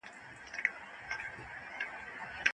که مناسب رڼا وي، سترګې نه ستړې کېږي.